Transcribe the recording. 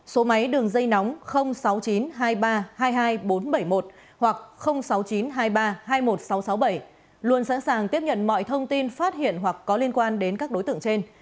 số máy đường dây nóng sáu mươi chín hai mươi ba hai mươi hai nghìn bốn trăm bảy mươi một hoặc sáu mươi chín hai mươi ba hai mươi một nghìn sáu trăm sáu mươi bảy luôn sẵn sàng tiếp nhận mọi thông tin phát hiện hoặc có liên quan đến các đối tượng trên